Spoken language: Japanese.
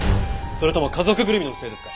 それとも家族ぐるみの不正ですか？